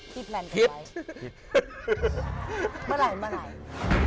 ที่แพลนกันไงมาหล่ายคิด